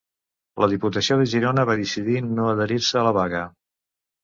La Diputació de Girona va decidir no adherir-se a la vaga.